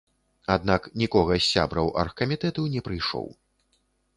Аднак нікога з сябраў аргкамітэту не прыйшоў.